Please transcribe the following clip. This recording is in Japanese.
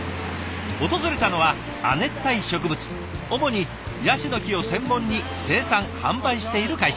訪れたのは亜熱帯植物主にヤシの木を専門に生産販売している会社。